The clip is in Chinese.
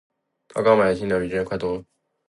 她刚买了台新电脑，比之前的快多了。